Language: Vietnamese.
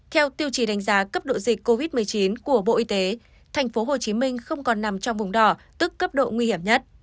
theo tiêu chí đánh giá cấp độ dịch covid một mươi chín của bộ y tế tp hcm không còn nằm trong vùng đỏ tức cấp độ nguy hiểm nhất